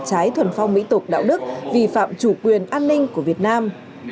trái thuần phong mỹ tục đạo đức vi phạm chủ quyền an ninh của việt nam